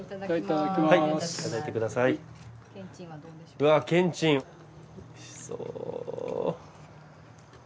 うわけんちんおいしそう。